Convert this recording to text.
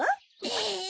え！